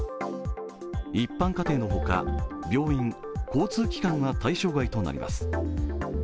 一般家庭のほか病院、交通機関は対象外となります。